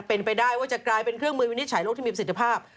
เป็นไปได้ว่าจะกลายเป็นเครื่องมือวินิจฉัยโลกที่มีประสิทธิภาพ